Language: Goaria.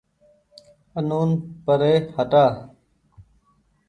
آنون پري هٽآ